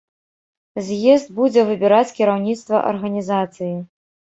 З'езд будзе выбіраць кіраўніцтва арганізацыі.